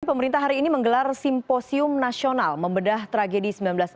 pemerintah hari ini menggelar simposium nasional membedah tragedi seribu sembilan ratus empat puluh